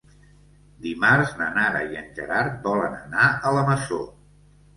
Dimarts na Nara i en Gerard volen anar a la Masó.